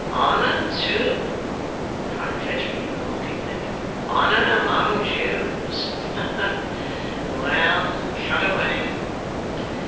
'Honour too!' cried Fledgeby, with a mocking lip. 'Honour among Jews. Well. Cut away.